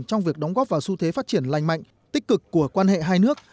trong việc đóng góp vào xu thế phát triển lành mạnh tích cực của quan hệ hai nước